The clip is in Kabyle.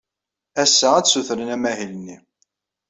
Ass-a, ad ssutren amahil-nni.